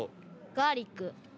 ガーリック。